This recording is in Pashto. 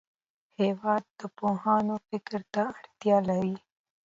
هېواد د پوهانو فکر ته اړتیا لري.